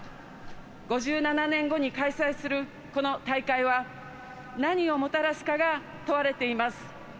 ５７年後に開催するこの大会は何をもたらすかが問われています。